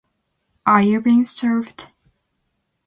Are You Being Served?